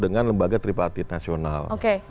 dengan lembaga tripartit nasional oke